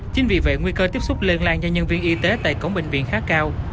chính vì vậy nguy cơ tiếp xúc lân lan do nhân viên y tế tại cổng bệnh viện khá cao